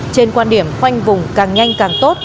trên quan điểm khoanh vùng càng nhanh càng tốt